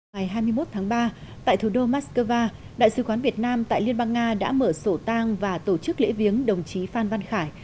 ngày hai mươi một tháng ba tại thủ đô moscow đại sứ quán việt nam tại liên bang nga đã mở sổ tang và tổ chức lễ viếng đồng chí phan văn khải